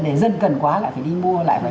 để dân cần quá lại phải đi mua lại quá